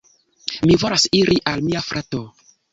Mi volas iri al mia frato.